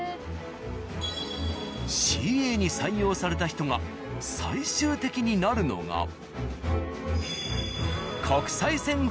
ＣＡに採用された人が最終的になるのが。